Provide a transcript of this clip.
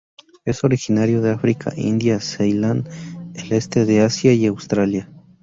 Es originario de África, India, Ceilán, el este de Asia y Australia.